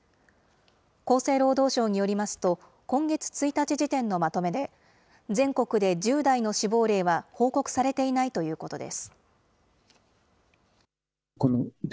厚生労働省によりますと、今月１日時点のまとめで、全国で１０代の死亡例は報告されていないということです。